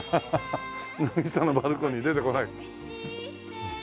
『渚のバルコニー』出てこない。